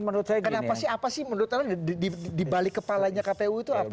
kenapa sih menurut anda dibalik kepalanya kpu itu apa